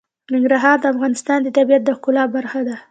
ننګرهار د افغانستان د طبیعت د ښکلا برخه ده.